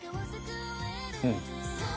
うん。